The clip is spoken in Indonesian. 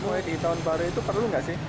mulai di tahun baru itu perlu nggak sih